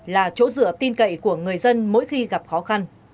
là chỗ dựa tin cậy của người dân mỗi khi gặp khó khăn